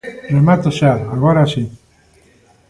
Remato xa, agora si.